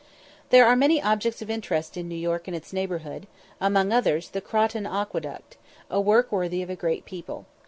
There are many objects of interest in New York and its neighbourhood, among others, the Croton aqueduct, a work worthy of a great people.